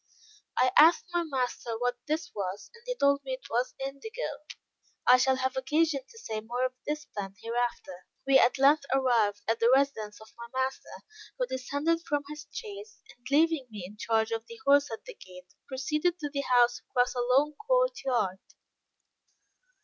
I asked my master what this was, and he told me it was indigo. I shall have occasion to say more of this plant hereafter. We at length arrived at the residence of my master, who descended from his chaise, and leaving me in charge of the horse at the gate, proceeded to the house across a long court yard.